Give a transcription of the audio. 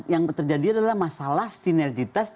yang terjadi adalah masalah sinergitas